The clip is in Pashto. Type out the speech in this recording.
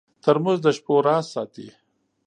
ترموز د شپو راز ساتي.